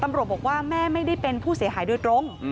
ตำรวจบอกว่าแม่ไม่ได้เป็นผู้เสียหายโดยตรง